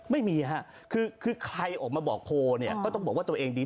ไม่มีค่ะคือใครออกมาบอกโพลเนี่ยก็ต้องบอกว่าตัวเองดี